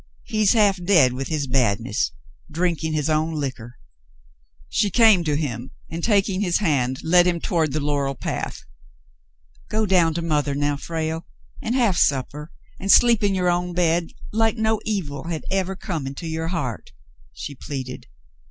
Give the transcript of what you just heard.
He's half dead with his badness — drinking his own liquor." She came to him, and, taking his hand, led him toward the laurel path. "Go down to mother now, Frale, and have supper and sleep in your own bed, like no evil had ever come into your heart," she pleaded.